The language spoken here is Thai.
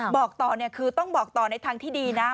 บอกต่อเนี่ยคือต้องบอกต่อในทางที่ดีนะ